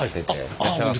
いらっしゃいませ。